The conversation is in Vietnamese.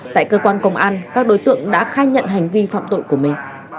tại cơ quan công an các đối tượng đã khai nhận hành vi phạm tội của mình